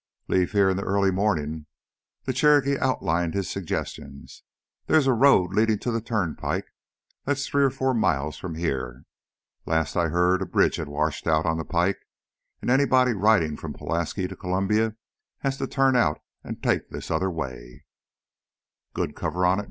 "Leave here in the early mornin'." The Cherokee outlined his suggestions. "There's a road leadin' to the turnpike that's three or four miles from here. Last I heard, a bridge had washed out on the pike. Anybody ridin' from Pulaski to Columbia has to turn out and take this other way " "Good cover on it?"